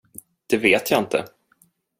Det vet jag inte.